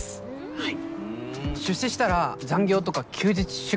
はい。